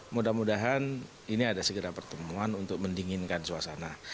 mudah mudahan ini ada segera pertemuan untuk mendinginkan suasana